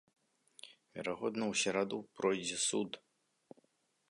Верагодна ў сераду пройдзе суд.